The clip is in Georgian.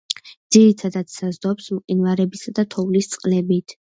ძირითადად, საზრდოობს მყინვარებისა და თოვლის წყლებით.